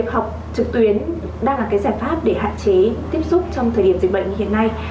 học trực tuyến đang là cái giải pháp để hạn chế tiếp xúc trong thời điểm dịch bệnh như hiện nay